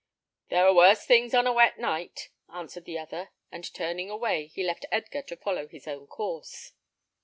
"There are worse things on a wet night," answered the other; and turning away, he left Edgar to follow his own course.